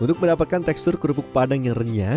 untuk mendapatkan tekstur kerupuk padang yang renyah